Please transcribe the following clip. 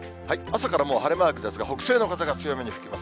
朝からもう晴れマークですが、北西の風が強めに吹きます。